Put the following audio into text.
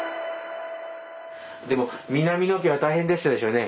でも南野家は大変でしたでしょうね。